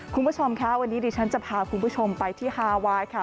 คุณผู้ชมค่ะวันนี้ดิฉันจะพาคุณผู้ชมไปที่ฮาไวน์ค่ะ